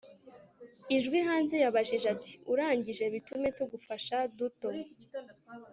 ijwi hanze yabajije ati 'urangije?' 'bitume tugufasha duto